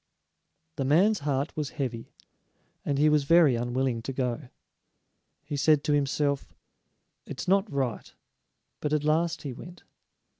The man's heart was heavy, and he was very unwilling to go. He said to himself: "It's not right." But at last he went.